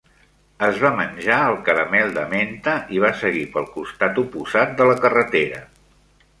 Es va menjar el caramel de menta i va seguir pel costat oposat de la carretera.